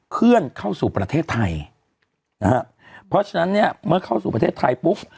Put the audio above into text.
เคลื่อนเข้าสู่ประเทศไทยนะฮะเพราะฉะนั้นเนี่ยเมื่อเข้าสู่ประเทศไทยปุ๊บ